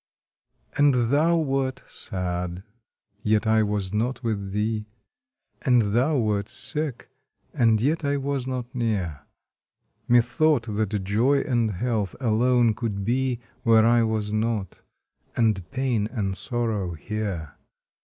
And thou wert sad yet I was not with thee; And thou wert sick, and yet I was not near; Methought that Joy and Health alone could be Where I was not and pain and sorrow here!